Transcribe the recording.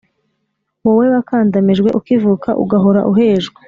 Wowe wakandamijwe ukivuka Ugahora uhejwe